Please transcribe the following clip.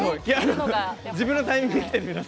自分のタイミングできて。